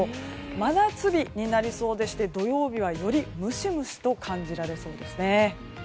真夏日になりそうでして土曜日はよりムシムシと感じられそうです。